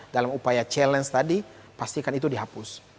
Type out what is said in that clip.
dalam upaya challenge tadi pastikan itu dihapus